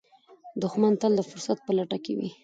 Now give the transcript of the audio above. دښمن تل د فرصت په لټه کې وي